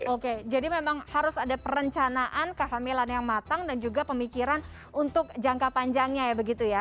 oke jadi memang harus ada perencanaan kehamilan yang matang dan juga pemikiran untuk jangka panjangnya ya begitu ya